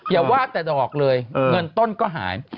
อย่าว่าแต่ดอกเลยเงินต้นก็หาย